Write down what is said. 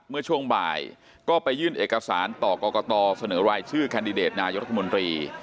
เมื่อช่วงบ่ายก็ไปยื่นเอกสารต่อกรกตเสนอรายชื่อแคนดิเดตนายกรัฐมนตรี